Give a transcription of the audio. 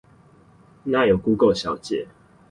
那有估狗小姐